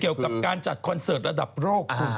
เกี่ยวกับการจัดคอนเสิร์ตระดับโลกคุณ